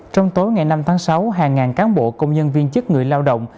trong tối ngày năm tháng sáu hàng ngàn cán bộ công nhân viên chức người lao động